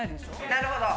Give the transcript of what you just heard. なるほど。